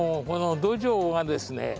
この土壌はですね。